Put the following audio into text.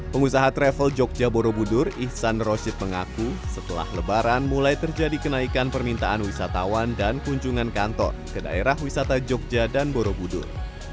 pengusaha travel jogja borobudur ihsan roshid mengaku setelah lebaran mulai terjadi kenaikan permintaan wisatawan dan kunjungan kantor ke daerah wisata jogja dan borobudur